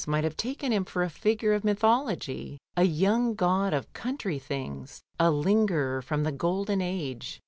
167 might have taken him for a figure of mythology, a young god of country things, a lingerer from the golden age.